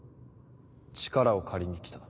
力を借りに来た。